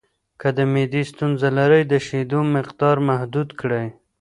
که د معدې ستونزه لرئ، د شیدو مقدار محدود کړئ.